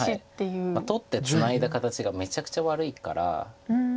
黒が取ってツナいだ形がめちゃくちゃ悪いから。